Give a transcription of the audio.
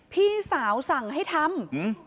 พี่สาวสั่งให้ทำ